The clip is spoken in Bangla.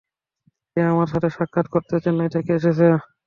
সে আমার সাথে সাক্ষাৎ করতে চেন্নাই থেকে এসেছে?